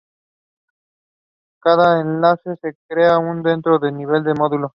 Cada enlace es creado dentro del nivel del módulo.